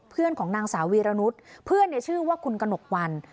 ของนางสาววีรนุษย์เพื่อนชื่อว่าคุณกระหนกวัน